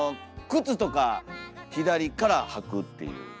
靴とか左から履くっていう。